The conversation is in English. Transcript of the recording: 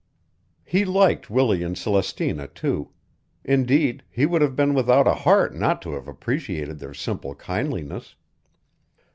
He liked Willie and Celestina, too; indeed, he would have been without a heart not to have appreciated their simple kindliness.